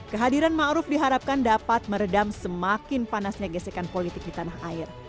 kehadiran ma'ruf diharapkan dapat meredam semakin panasnya gesekan politik di tanah air